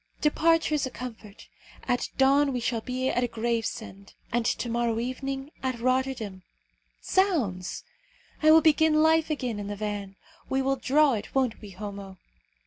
Departure is a comfort. At dawn we shall be at Gravesend, and to morrow evening at Rotterdam. Zounds! I will begin life again in the van. We will draw it, won't we, Homo?"